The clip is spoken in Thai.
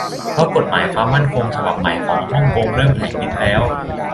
เพราะกฏหมายความมั่นคงฉบับใหม่ของฮ่องกง เริ่มแผลงฤทธิ์แล้ว